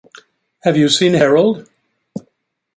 Have you seen Harold?